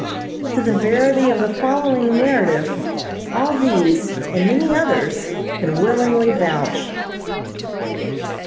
To the verity of the following narrative all these and many others can willingly vouch.